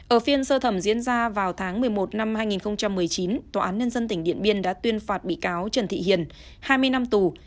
ở phiên sơ thẩm diễn ra vào tháng một mươi một năm hai nghìn một mươi chín tòa án nhân dân tỉnh điện biên đã tuyên phạt bị cáo trần thị hiền hai mươi năm tù